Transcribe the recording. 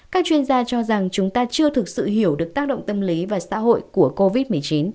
các chuyên gia cho rằng chúng ta chưa thực sự hiểu được tác động tâm lý và xã hội của covid một mươi chín